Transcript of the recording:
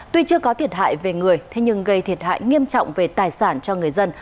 tuy chưa có thiệt hại về người thế nhưng gây thiệt hại nghiêm trọng về tài sản cho người dân